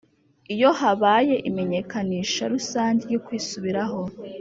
Iyo habaye imenyekanisha rusange ryo kwisubiraho